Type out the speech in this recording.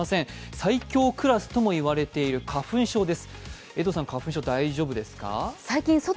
最強クラスともいれている花粉症です。